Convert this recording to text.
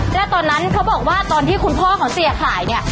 และตอนนั้นเขาบอกว่าตอนที่คุณพ่อของเสียขายเนี่ย